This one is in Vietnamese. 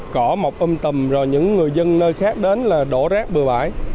cỏ mọc âm tầm rồi những người dân nơi khác đến là đổ rác bừa bãi